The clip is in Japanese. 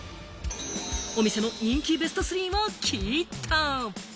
お店の人気ベスト３を聞いた！